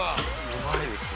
「うまいですね」